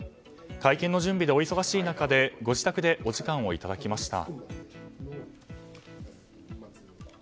会見の準備でお忙しい中でご自宅でお時間をいただきました。